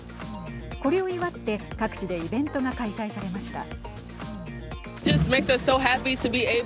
これを祝って各地でイベントが開催されました。